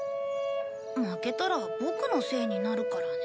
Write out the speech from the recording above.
負けたらボクのせいになるからね。